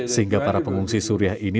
sehingga para pengungsi suriah ini